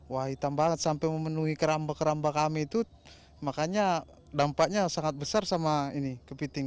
wah hitam banget sampai memenuhi keramba keramba kami itu makanya dampaknya sangat besar sama ini kepiting